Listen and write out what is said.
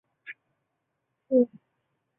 避风塘是中华餐饮名店也是上海市著名商标。